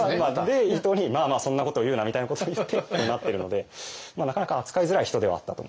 で伊藤に「まあまあそんなことを言うな」みたいなことを言ってこうなってるのでなかなか扱いづらい人ではあったと思うんですよね。